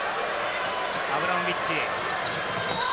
アブラモビッチ。